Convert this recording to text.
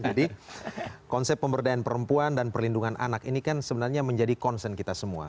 jadi konsep pemberdayaan perempuan dan perlindungan anak ini kan sebenarnya menjadi konsen kita semua